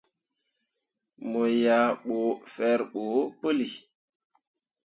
Mo yah ɓu ferɓo puli.